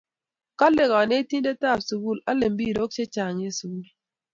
Kale kanetindet ab sukul ale mpirok che chang en sukul